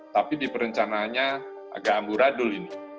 tapi di perencanaannya agak amburadul ini